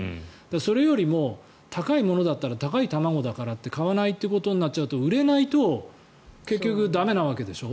それよりも高いものだったら高い卵だからって買わないということになっちゃうと、売れないと結局駄目なわけでしょ。